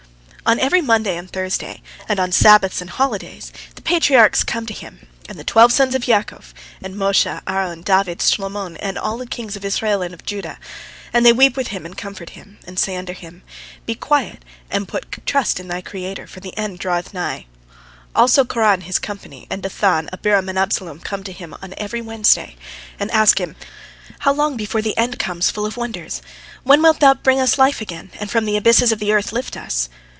On every Monday and Thursday and on Sabbaths and holidays, the Patriarchs come to him, and the twelve sons of Jacob, and Moses, Aaron, David, Solomon, and all the kings of Israel and of Judah, and they weep with him and comfort him, and say unto him, "Be quiet and put trust in thy Creator, for the end draweth nigh." Also Korah and his company, and Dathan, Abiram, and Absalom come to him on every Wednesday, and ask him: "How long before the end comes full of wonders? When wilt thou bring us life again, and from the abysses of the earth lift us?"